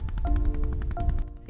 dengan menggunakan kabel